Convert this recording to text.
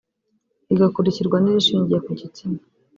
rigakurikirwa n’irishingiye ku gitsina